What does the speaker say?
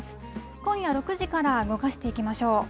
今夜６時から動かしていきましょう。